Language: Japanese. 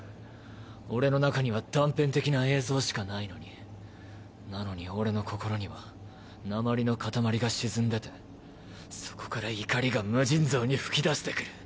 俺の中には断片的な映像しかないのになのに俺の心には鉛の塊が沈んでてそこから怒りが無尽蔵に噴き出してくる！